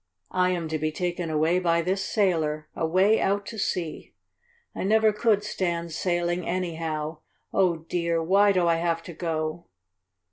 "I am to be taken away by this sailor away out to sea. I never could stand sailing, anyhow. Oh, dear! why do I have to go?"